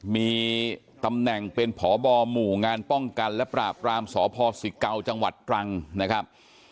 มีตำแหน่งเป็นพบหมู่งานป้องกันและปราบรามสพศิเกาจังหวัดตรังนะครับ